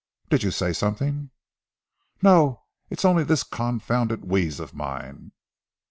Did you say something?" "No! It's only this confounded wheeze of mine!"